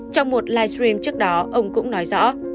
trong một livestream trước đó ông cũng nói rõ